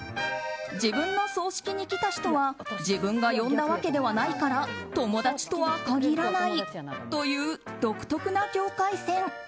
自分の葬式に来た人は自分が呼んだわけではないから友達とは限らないという独特な境界線。